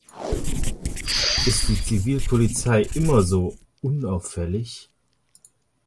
Ist die Zivilpolizei immer so "unauffällig"?